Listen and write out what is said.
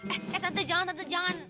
eh eh tante jangan tante jangan